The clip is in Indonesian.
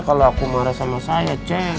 kalau aku marah sama saya cek